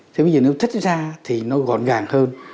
thế bây giờ nếu chất ra thì nó gọn gàng hơn